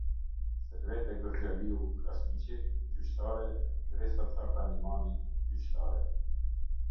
Selvete Gërxhaliu-Krasniqi, gjyqtare Gresa Caka-Nimani, gjyqtare.